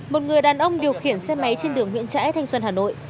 một người đàn ông điều khiển xe máy trên đường nguyễn trãi thanh xuân hà nội